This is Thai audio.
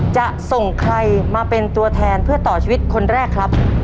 จะส่งใครมาเป็นตัวแทนเพื่อต่อชีวิตคนแรกครับ